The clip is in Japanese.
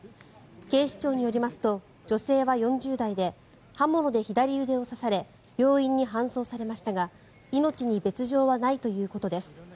警視庁によりますと女性は４０代で刃物で左腕を刺され病院に搬送されましたが命に別条はないということです。